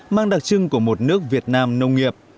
mang đặc trưng của một nước việt nam nông nghiệp